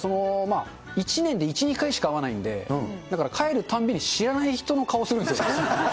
１年で１、２回しか会わないんで、だから帰たんびに知らない人の顔をするんですよ。